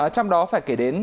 trong đó phải kể đến